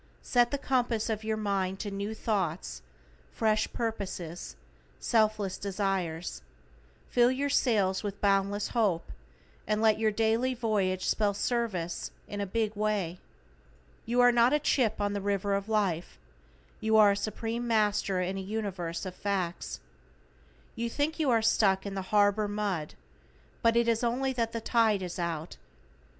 Set the compass of your Mind to new thoughts, fresh purposes, selfless desires, fill your sails with boundless hope, and let your daily voyage spell SERVICE in a big way. You are not a chip on the River of Life, you are a Supreme Master in a Universe of Facts. You think you are stuck in the harbor mud, but it is only that the tide is out.